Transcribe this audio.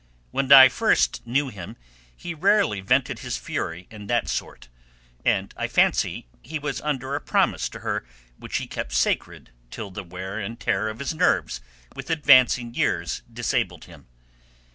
When I first knew him he rarely vented his fury in that sort, and I fancy he was under a promise to her which he kept sacred till the wear and tear of his nerves with advancing years disabled him.